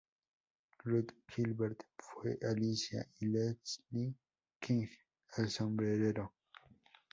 Ruth Gilbert fue Alicia y Leslie King el sombrerero.